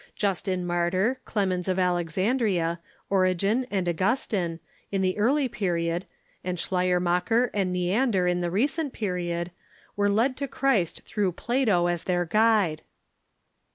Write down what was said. Justin Martyr, Clemens of Alexandria, Origen, and Augustine, in the early period, and Schleiermacher and Neander in the recent period, were led to Christ through Plato as their guide.